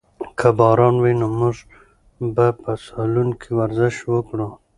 که باران وي نو موږ به په سالون کې ورزش وکړو.